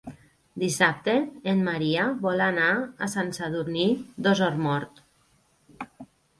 Dissabte en Maria vol anar a Sant Sadurní d'Osormort.